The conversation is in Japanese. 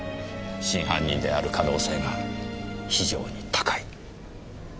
真犯人である可能性が非常に高い。